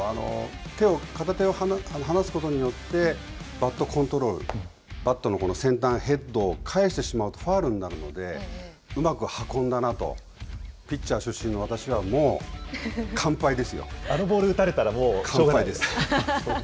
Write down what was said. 手を、片手を離すことによってバットコントロール、バットのこの先端、ヘッドをかえしてしまうとファウルになるので、うまく運んだなと、ピッチャー出身の私はもあのボール打たれたら勝てな完敗です。